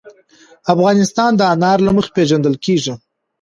افغانستان د انار له مخې پېژندل کېږي.